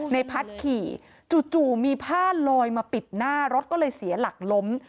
ในพัฒน์ขี่จู่มีผ้าลอยมาปิดหน้ารถก็เลยเสียหลักล้ม